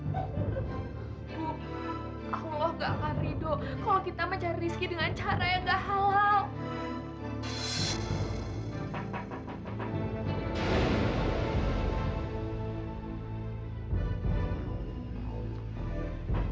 bu allah tidak akan ridho kalau kita mencari risiko dengan cara yang tidak halal